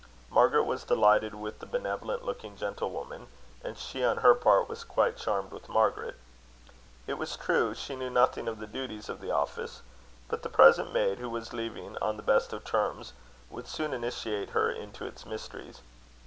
Margaret was delighted with the benevolent looking gentlewoman; and she, on her part, was quite charmed with Margaret. It was true she knew nothing of the duties of the office; but the present maid, who was leaving on the best of terms, would soon initiate her into its mysteries.